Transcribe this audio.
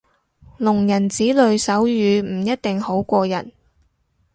聾人子女手語唔一定好過人